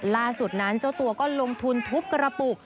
ล่าสุดนั้นเจ้าตัวก็ลงทุนทุบกระปุก